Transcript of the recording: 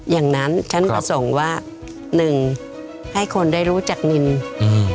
อย่างนั้นฉันประสงค์ว่าหนึ่งให้คนได้รู้จักนินอืม